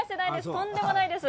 とんでもないです。